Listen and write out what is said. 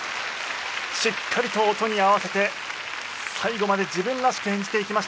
しっかりと音に合わせて最後まで自分らしく演じていきました。